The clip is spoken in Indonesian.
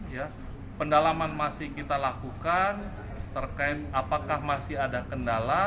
ya pendalaman masih kita lakukan terkait apakah masih ada kendala